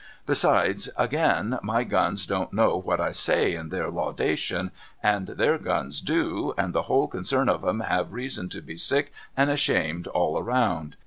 Besides, again, my guns don't know what I say in their lauda tion, and their guns do, and the whole concern of 'em have reason to be sick and ashamed all round.